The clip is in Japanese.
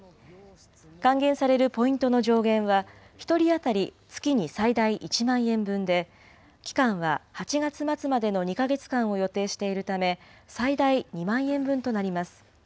還元されるポイントの上限は１人当たり月に最大１万円分で、期間は８月末までの２か月間を予定しているため、最大２万円分となります。